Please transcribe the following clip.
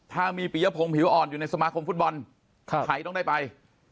ถ้ามีปียพงศ์ผิวอ่อนอยู่ในสมาคมฟุตบอลไทยต้องได้ไป